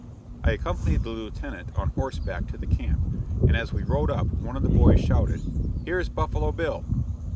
I accompanied the Lieutenant on horseback to the camp, and as we rode up, one of the boys shouted, "Here's Buffalo Bill!"